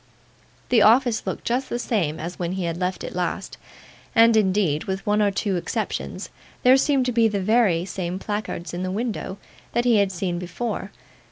The office looked just the same as when he had left it last, and, indeed, with one or two exceptions, there seemed to be the very same placards in the window that he had seen before.